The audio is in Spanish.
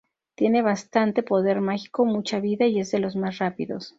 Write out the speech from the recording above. Tiene bastante poder mágico, mucha vida y es de los más rápidos.